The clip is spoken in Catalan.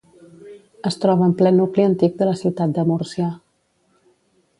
Es troba en ple nucli antic de la ciutat de Múrcia.